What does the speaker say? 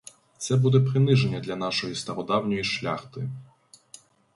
Це буде приниження для нашої стародавньої шляхти.